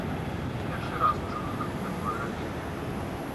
Першы раз чую, каб такое рабілі.